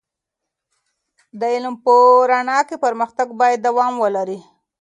د علم په رڼا کې پر مختګ باید دوام ولري.